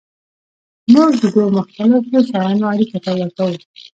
موږ د دوو مختلفو شیانو اړیکه پیدا کوو.